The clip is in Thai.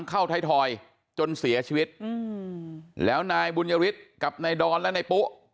เข้าไทยทอยจนเสียชีวิตอืมแล้วนายบุญยฤทธิ์กับนายดอนและนายปุ๊